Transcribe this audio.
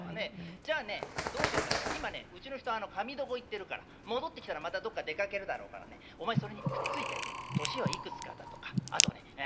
じゃあねどうしようかしら今ねうちの人髪床行ってるから戻ってきたらまたどっか出かけるだろうからねお前それにくっついてってね年はいくつかだとかあとねええ